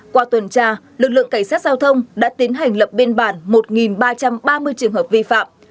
qua tuần tra lực lượng cảnh sát giao thông đã tiến hành lập biên bản một ba trăm ba mươi trường hợp vi phạm